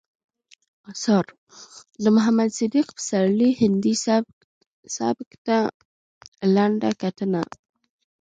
اثار، د محمد صديق پسرلي هندي سبک ته لنډه کتنه